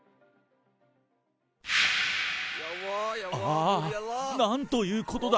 ああ、なんということだ！